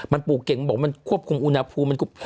มันปลูกเก่งบอกมันควบคุมอุณหภูมภ์